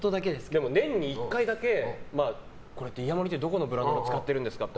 年に１回だけイヤモニってどこのブランド使ってるんですかって。